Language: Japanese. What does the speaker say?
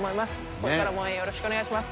これからも応援よろしくお願いします。